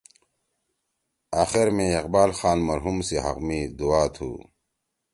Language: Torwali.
آخر میں اقبال خان مرحوم سی حق می دُعا تُھو۔